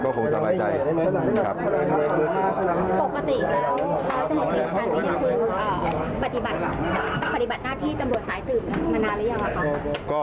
ปฆิบัติหน้าที่ตำรวจสายสืบมานานหรือยังหรือครับ